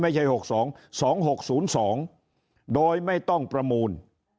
ไม่ใช่๖๒๒๖๐๒โดยไม่ต้องประมูล